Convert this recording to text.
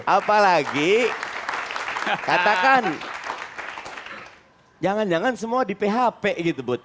apalagi katakan jangan jangan semua di php gitu bu